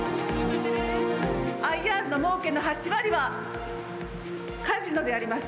ＩＲのもうけの８割はカジノであります。